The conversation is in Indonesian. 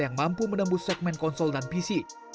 yang mampu menembus segmen konsol dan pc